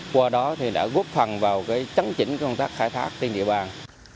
qua đó thì đã góp phần vào chấn chỉnh công tác khai thác trên địa bàn